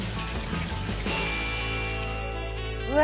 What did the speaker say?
うわ。